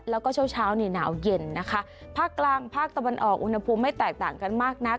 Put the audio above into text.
แล้วก็เช้าเช้านี่หนาวเย็นนะคะภาคกลางภาคตะวันออกอุณหภูมิไม่แตกต่างกันมากนัก